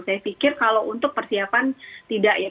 saya pikir kalau untuk persiapan tidak ya